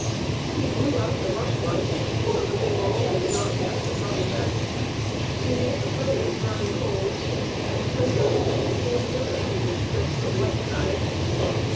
He blew out the rush lights, so that they were all in the dark after sunset; he made the fires burn cold, and played a hundred and forty other impish tricks of the like kind.